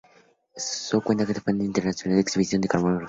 El zoo cuenta con fama internacional por su exhibición de carnívoros.